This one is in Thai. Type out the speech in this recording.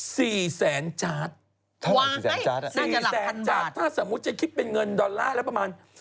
สี่แสนจาดถ้าสมมุติจะคิดเป็นเงินดอลลาร์แล้วประมาณ